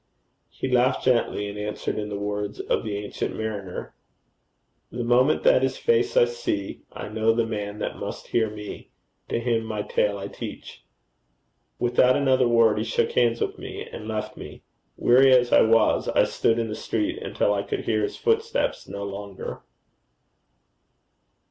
He laughed gently, and answered in the words of the ancient mariner: 'The moment that his face I see, I know the man that must hear me: To him my tale I teach.' Without another word, he shook hands with me, and left me. Weary as I was, I stood in the street until I could hear his footsteps no longer.